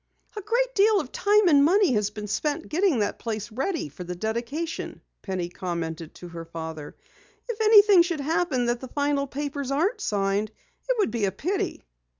"A great deal of time and money has been spent getting that place ready for the dedication," Penny commented to her father. "If anything should happen that the final papers aren't signed, it would be a pity."